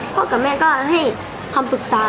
กับแม่ก็ให้คำปรึกษา